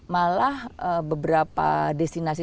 malah beberapa destinasi